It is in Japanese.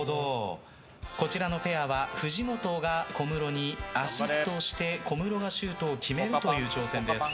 こちらのペアは藤本が小室にアシストをして小室がシュートを決めるという挑戦です。